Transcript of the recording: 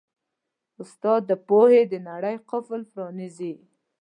استاد د پوهې د نړۍ قفل پرانیزي.